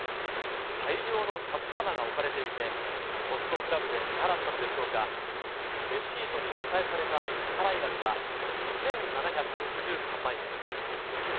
大量の札束が置かれていて、ホストクラブで支払ったのでしょうか、レシートに記載された支払い額は、２７６３万円。